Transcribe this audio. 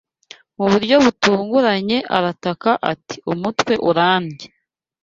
Mu buryo butunguranye arataka ati umutwe urandya